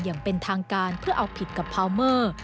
อย่างเป็นทางการเพื่อเอาผิดกับพาวเมอร์